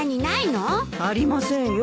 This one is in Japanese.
ありませんよ。